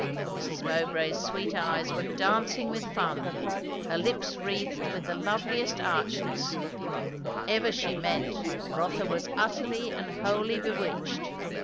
Mrs. Mowbray's sweet eyes were dancing with fun, her lips wreathed with the loveliest archness; whatever she meant, Rotha was utterly and wholly bewitched.